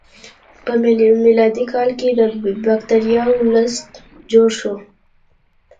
په میلادي کال کې د بکتریاوو لست جوړ شو.